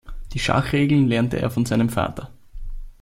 Die Schachregeln lernte er von seinem Vater.